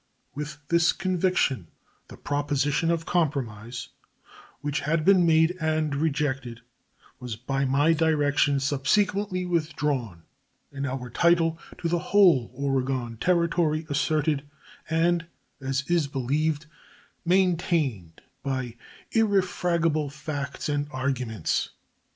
With this conviction the proposition of compromise which had been made and rejected was by my direction subsequently withdrawn and our title to the whole Oregon Territory asserted, and, as is believed, maintained by irrefragable facts and arguments.